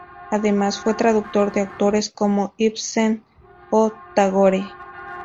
Además, fue traductor de autores como Ibsen o Tagore.